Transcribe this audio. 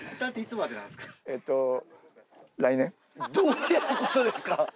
どういうことですか？